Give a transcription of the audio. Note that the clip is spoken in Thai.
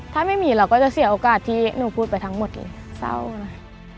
ถ้าไม่มีเราก็จะเสียโอกาสที่หนูพูดไปทั้งหมดเลยเศร้านะ